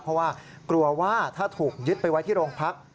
เพราะว่ากลัวว่าถ้าถูกยึดไปไว้ที่โรงพัก